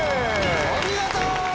お見事！